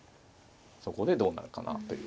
そこでどうなるかなという。